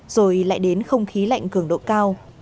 rồi lại đến không khí lạnh cường độ cao